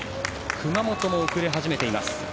熊本も遅れ始めています。